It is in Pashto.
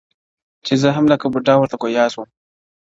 چي زه هم لکه بوډا ورته ګویا سم٫